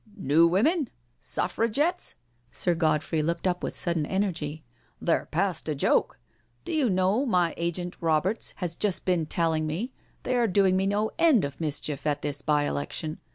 •' New Women I Suffragettes? Sir Godfrey looked up with sudden energy. *' They're past a joke. Do you know my agent, Roberts, has just been telling me they are doing me no end of mischief at this by election.